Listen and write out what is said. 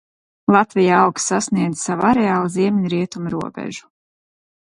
Latvijā augs sasniedz sava areāla ziemeļrietumu robežu.